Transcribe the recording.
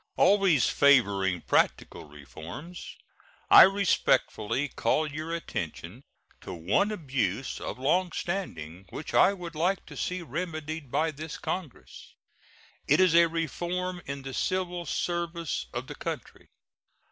Always favoring practical reforms, I respectfully call your attention to one abuse of long standing which I would like to see remedied by this Congress. It is a reform in the civil service of the country.